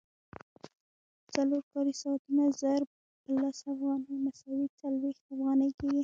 څلور کاري ساعتونه ضرب په لس افغانۍ مساوي څلوېښت افغانۍ کېږي